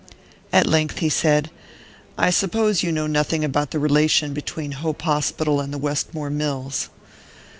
At length he said: "I suppose you know nothing about the relation between Hope Hospital and the Westmore Mills."